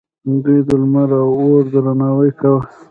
دوی د لمر او اور درناوی کاوه